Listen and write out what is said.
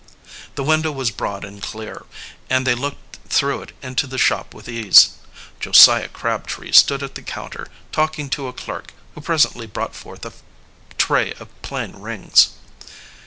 The window was broad and clear, and they looked through it into the shop with ease. Josiah Crabtree stood at the counter, talking to a clerk, who presently brought forth a tray of plain rings.